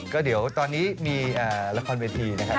ก็เดี๋ยวตอนนี้มีละครเวทีนะครับ